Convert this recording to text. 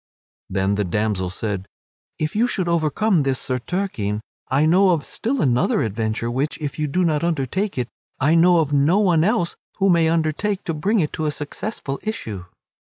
Then the damsel said, "If you should overcome this Sir Turquine, I know of still another adventure which, if you do not undertake it, I know of no one else who may undertake to bring it to a successful issue."